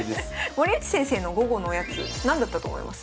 森内先生の午後のおやつ何だったと思います？